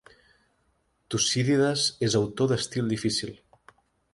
Tucídides és autor d'estil difícil.